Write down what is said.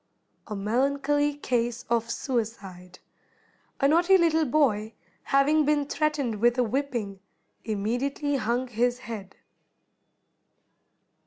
A MELANCHOLY CASE OF SUICIDE. A naughty little boy, having been threatened with a whipping, immediately hung his head.